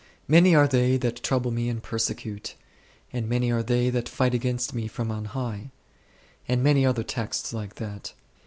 " Many are they that trouble me and persecute," and *' Many are they that fight against me from on highs"; and many other texts like that.